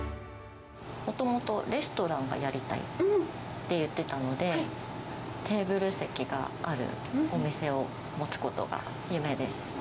もともとレストランがやりたいって言ってたので、テーブル席があるお店を持つことが夢です。